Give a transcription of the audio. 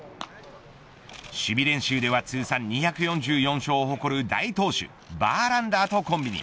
守備練習では通算２４４勝を誇る大投手バーランダーとコンビに。